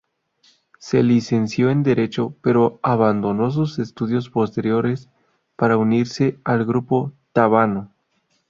Se licenció en Derecho pero abandonó sus estudios posteriores para unirse al grupo Tábano.